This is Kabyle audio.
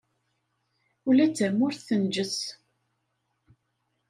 Ula d tamurt tenǧes.